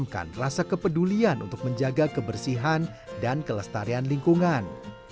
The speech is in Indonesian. menunjukkan rasa kepedulian untuk menjaga kebersihan dan kelestarian lingkungan